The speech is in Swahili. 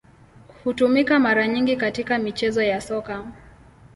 Hutumika mara nyingi katika michezo ya Soka.